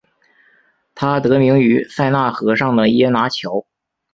它得名于塞纳河上的耶拿桥。